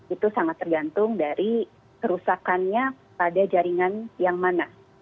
itu sangat tergantung dari kerusakannya pada jaringan yang mana